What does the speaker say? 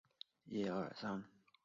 威廉难辞其咎。